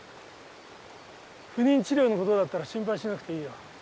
不妊治療のことだったら心配しなくていいよ。